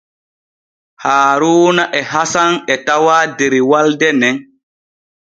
Haaruuna e Hasan e tawaa der walde nen.